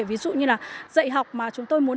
ví dụ như là dạy học mà chúng tôi muốn